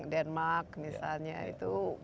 denmark misalnya itu